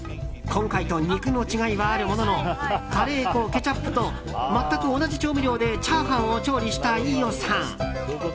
今回と肉の違いはあるもののカレー粉、ケチャップと全く同じ調味料でチャーハンを調理した飯尾さん。